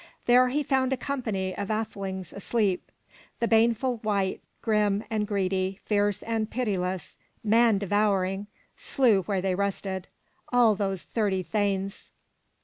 There he found a company of athelings asleep. The baneful wight, grim and greedy, fierce and pitiless, man devouring, slew where they rested, all those thirty thanes.